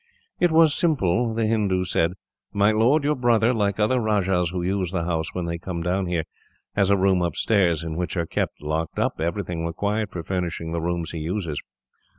"It is simple," the Hindoo said. "My lord your brother, like other rajahs who use the house when they come down here, has a room upstairs; in which are kept, locked up, everything required for furnishing the rooms he uses.